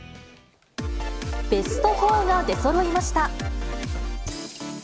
ベスト４が出そろいました。